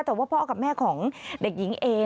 แต่ว่าพ่อกับแม่ของเด็กหญิงเอ